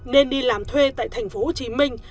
nên đi làm thuê tại thành phố hồ chí minh